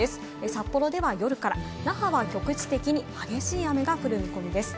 札幌では夜から、那覇は局地的に激しい雨が降る見込みです。